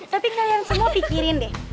tapi kalian semua pikirin deh